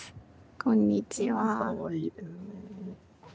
こんにちは。